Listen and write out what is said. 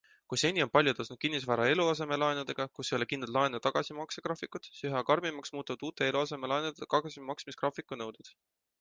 Kui seni on paljud ostnud kinnisvara eluasemelaenudega, kus ei ole kindlat laenu tagasimaksegraafikut, siis üha karmimaks muutuvad uute eluasemelaenude tagasimaksmisgraafiku nõuded.